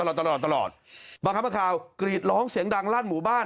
บางครั้งบางคราวกรีดร้องเสียงดังรั่นหมู่บ้าน